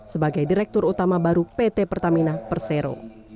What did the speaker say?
sebagai direktur utama baru pt pertamina persero